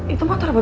itu motor bawa apa